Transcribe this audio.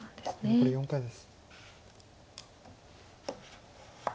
残り４回です。